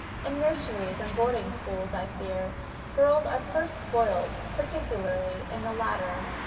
In nurseries, and boarding schools, I fear, girls are first spoiled; particularly in the latter.